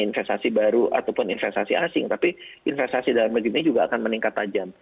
investasi baru ataupun investasi asing tapi investasi dalam negeri ini juga akan meningkat tajam